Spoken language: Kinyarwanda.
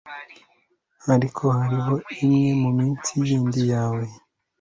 Ariko hariho imwe munsi yinda yawe